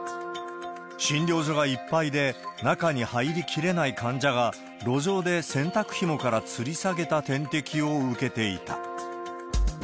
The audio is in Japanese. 診療所がいっぱいで、中に入りきれない患者が路上で洗濯ひもからつり下げた点滴を受けていた。